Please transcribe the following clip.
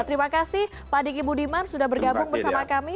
terima kasih pak diki budiman sudah bergabung bersama kami